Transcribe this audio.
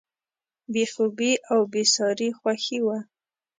بې خوبي او بېساري خوښي وه.